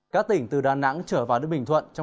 các tỉnh từ đà nẵng trở vào đến bình thuận